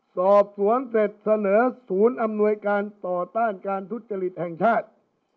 สอบสวนเสร็จเสนอศูนย์อำนวยการต่อต้านการทุจริตแห่งชาติ